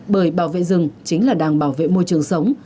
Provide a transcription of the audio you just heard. bởi bảo vệ rừng chính là đang bảo vệ môi trường sống